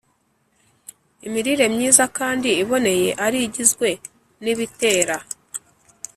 imirire myiza kandi iboneye ari igizwe n’ibitera